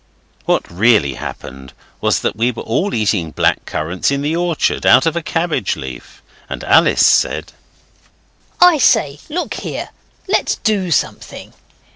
What really happened was that we were all eating black currants in the orchard, out of a cabbage leaf, and Alice said 'I say, look here, let's do something.